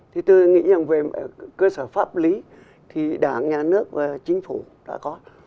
thì tôi nghĩ rằng về cơ sở pháp lý thì đảng nhà nước và chính phủ đã có